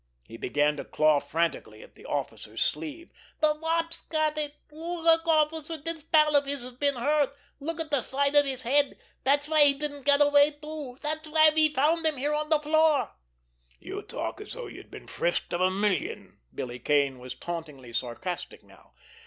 He began to claw frantically at the officer's sleeve. "The Wop's got it! Look, officer, this pal of his has been hurt! Look at the side of his head—that's why he didn't get away too—that's why we found him here on the floor!" "You talk as though you'd been frisked of a million!" Billy Kane was tauntingly sarcastic now.